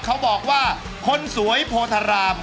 เขาบอกว่าคนสวยโพธาราม